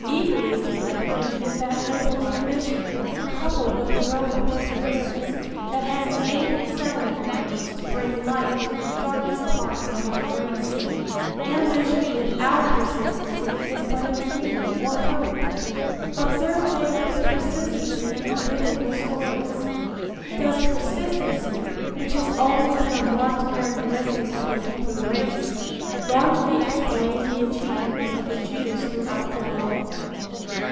Equally significant is that noble ambition, coupled with heroic perseverance, that has enabled settlement workers to bring light to the darkest parts of our great cities. Ambition without persistency is but a dream or hope. Observe Jacob's persistency in the Biblical stories. Does persistency, which has always been a marked characteristic of the Hebrew race, largely explain the achievements of the Jews throughout the world?